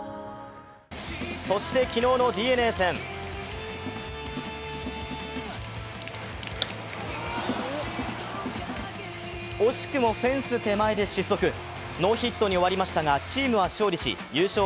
そして昨日のＤｅＮＡ戦、惜しくもフェンス手前で失速ノーヒットに終わりましたがチームは勝利し優勝